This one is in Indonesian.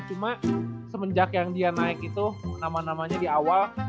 cuma semenjak yang dia naik itu nama namanya di awal